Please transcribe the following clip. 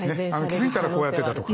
気付いたらこうやってたとか。